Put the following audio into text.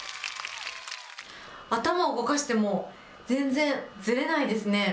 頭を動かしても、全然ずれないですね。